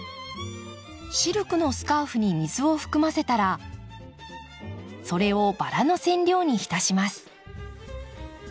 シルクのスカーフに水を含ませたらそれをバラの染料に浸します。